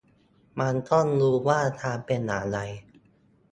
มันต้องดูว่าทางเป็นอย่างไร